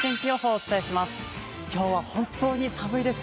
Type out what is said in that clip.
お伝えします。